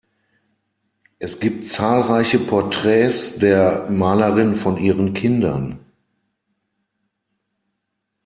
Es gibt zahlreiche Porträts der Malerin von ihren Kindern.